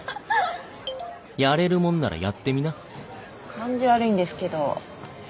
感じ悪いんですけど。